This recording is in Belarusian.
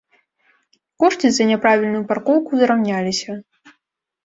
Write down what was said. Кошты за няправільную паркоўку зраўняліся.